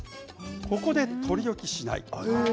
ここで取り置きしない。